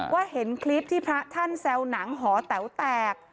เห็นคลิปที่พระท่านแซวหนังหอแต๋วแตก